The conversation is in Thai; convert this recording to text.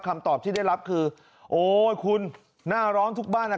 คำตอบที่ได้รับคือโอ้ยคุณหน้าร้อนทุกบ้านอ่ะ